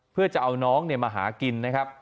เพื่อจะเอาน้องมาหากินนะครับ